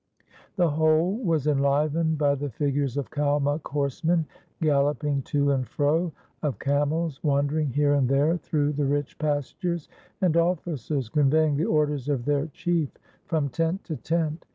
The whole was enlivened by the figures of Kalmuk horsemen galloping to and fro, of camels wandering here and there through the rich pastures, and officers conveying the orders of their chief from tent to tent.